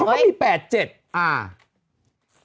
อ้าวเนี่ยเขาก็มี๘๗